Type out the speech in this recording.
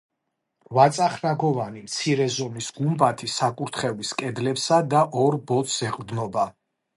რვაწახნაგოვანი, მცირე ზომის გუმბათი საკურთხევლის კედლებსა და ორ ბოძს ეყრდნობა.